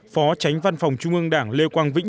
phó tránh văn phòng trung ương đảng lê quang vĩnh